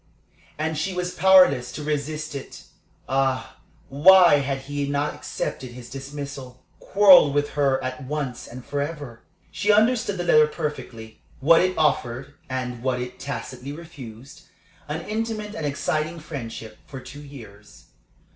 And she was powerless to resist it. Ah, why had he not accepted his dismissal quarrelled with her at once and forever? She understood the letter perfectly what it offered, and what it tacitly refused. An intimate and exciting friendship for two years.